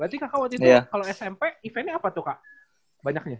berarti kakak waktu itu kalo smp eventnya apa tuh kak banyaknya